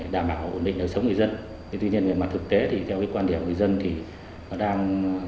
đảm bảo ổn định đời sống người dân tuy nhiên mà thực tế thì theo cái quan điểm người dân thì nó đang